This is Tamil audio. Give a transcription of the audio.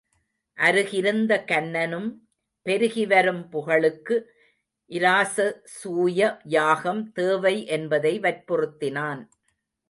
அருகிருந்த கன்னனும் பெருகி வரும் புகழுக்கு இராசசூய யாகம் தேவை என்பதை வற்புறுத்தினான்.